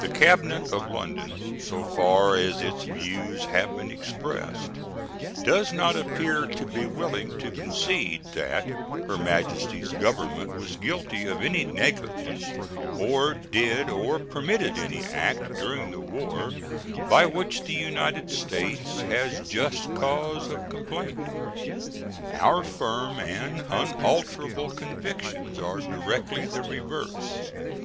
The cabinet of London, so far as its views have been expressed, does not appear to be willing to concede that Her Majesty's Government was guilty of any negligence, or did or permitted any act during the war by which the United States has just cause of complaint. Our firm and unalterable convictions are directly the reverse.